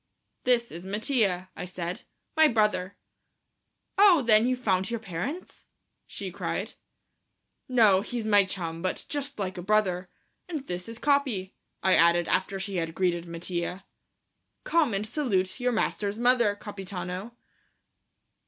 "This is Mattia," I said, "my brother." "Oh, then you've found your parents?" she cried. "No, he's my chum, but just like a brother. And this is Capi," I added, after she had greeted Mattia. "Come and salute your master's mother, Capitano."